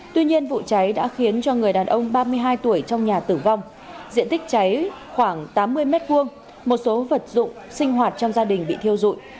tuy nhiên vụ cháy đã khiến cho người đàn ông ba mươi hai tuổi trong nhà tử vong diện tích cháy khoảng tám mươi m hai một số vật dụng sinh hoạt trong gia đình bị thiêu dụi